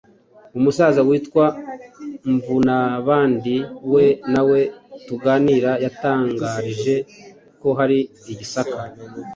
Umusaza witwa Mvunabandi we nawe tuganira yantangarije ko hari i Gisaka